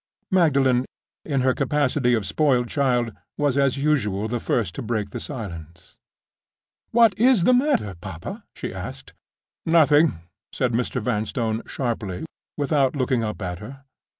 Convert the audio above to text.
Magdalen, in her capacity of spoiled child, was, as usual, the first to break the silence. "What is the matter, papa?" she asked. "Nothing," said Mr. Vanstone, sharply, without looking up at her.